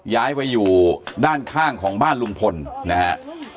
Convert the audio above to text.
ย้ายไปอยู่ด้านข้างของบ้านลุงพลนะฮะ